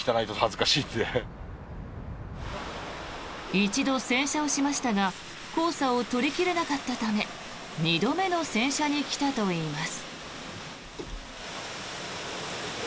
１度洗車をしましたが黄砂を取り切れなかったため２度目の洗車に来たといいます。